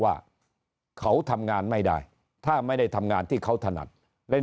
ว่าเขาทำงานไม่ได้ถ้าไม่ได้ทำงานที่เขาถนัดเล่น